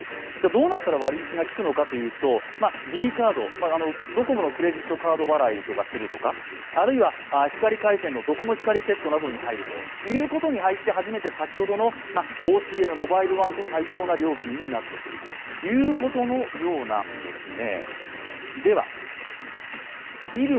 どうなったら割引がきくのかというとｄカードドコモのクレジットカード払いをするとかあるいは光回線のドコモ光セットなどに入ると初めて先ほどのＯＣＮモバイルＯＮＥと対等な料金になってくるということのようなんですね。